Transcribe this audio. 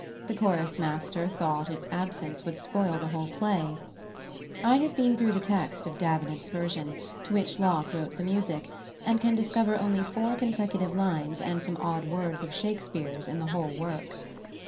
The chorus master thought its absence would spoil the whole play. I have been through the text of Davenant's version, to which Locke wrote the music, and can discover only four consecutive lines and some odd words of Shakespeare's in the whole work.